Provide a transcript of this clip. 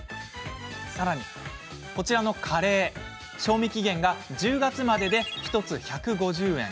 こちらのカレー賞味期限が１０月までで、１つ１５０円。